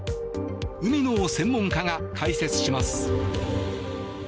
海の専門家が解説します。